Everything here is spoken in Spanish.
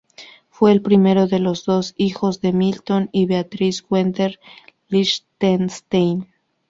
Fue el primero de los dos hijos de Milton y Beatrice Werner Lichtenstein.